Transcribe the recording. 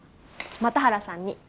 又原さんに。